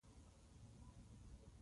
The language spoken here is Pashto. د اخلاقي لوېدا نښه دی.